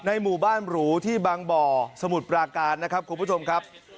หมู่บ้านหรูที่บางบ่อสมุทรปราการนะครับคุณผู้ชมครับ